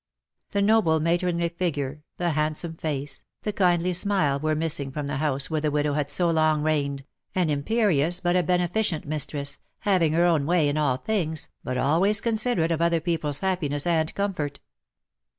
The noble matronly figure, the handsome face, the kindly smile were missing from the house where the widow had so long reigned, an imperious but a beneficent mistress — having her own way in all things, but always considerate of other people's happiness and comfort.